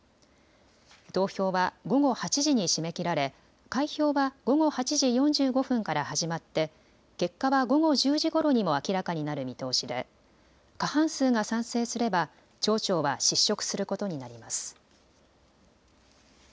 投票は午後８時に締め切られ開票は午後８時４５分から始まって結果は午後１０時ごろにも明らかになる見通しで過半数が賛成すれば町長は失職することになります。